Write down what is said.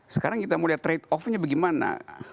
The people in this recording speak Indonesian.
sekarang kita mau lihat trade off nya bagaimana